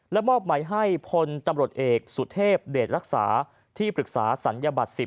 และมอบหมายให้พลตำรวจเอกสุเทพเดชรักษาที่ปรึกษาศัลยบัตร๑๐